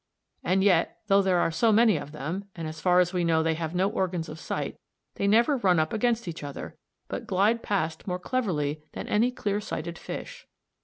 And yet though there are so many of them, and as far as we know they have no organs of sight, they never run up against each other, but glide past more cleverly than any clear sighted fish.